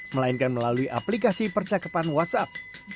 melainkan melalui aplikasi percakapan whatsapp